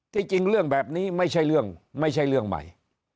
จริงเรื่องแบบนี้ไม่ใช่เรื่องไม่ใช่เรื่องใหม่